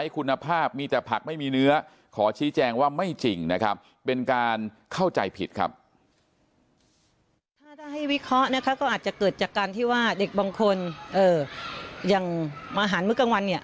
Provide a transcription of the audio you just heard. ก็อาจจะเกิดจากการที่ว่าเด็กบางคนอย่างอาหารมื้อกลางวันเนี่ย